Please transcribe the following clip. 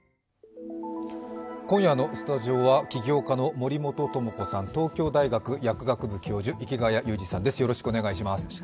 今夜のスタジオは、企業家の森本智子さん、東京大学薬学部教授、池谷裕二さんです。